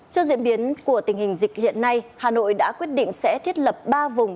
trước diễn biến của tình hình dịch hiện nay hà nội đã quyết định sẽ thiết lập ba vùng